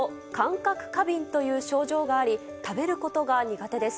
過敏という症状があり、食べることが苦手です。